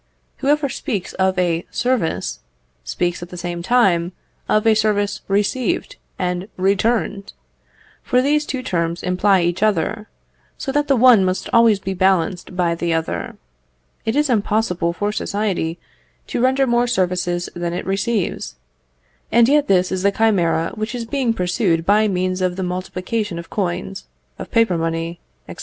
Whoever speaks of a service, speaks at the same time of a service received and returned, for these two terms imply each other, so that the one must always be balanced by the other. It is impossible for society to render more services than it receives, and yet this is the chimera which is being pursued by means of the multiplication of coins, of paper money, &c.